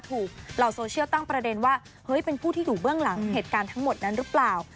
เหล่าโซเชียลตั้งประเด็นว่าเฮ้ยเป็นผู้ที่อยู่เบื้องหลังเหตุการณ์ทั้งหมดนั้นหรือเปล่า